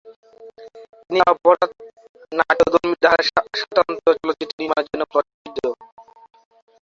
তিনি অপরাধ নাট্যধর্মী ধারার স্বাতন্ত্র্য চলচ্চিত্র নির্মাণের জন্য প্রসিদ্ধ।